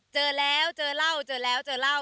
เจอแล้วเจอเหล้าเจอแล้วเจอเหล้า